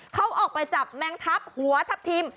เขาออกไปจับแมงทัพหัวทัพทิม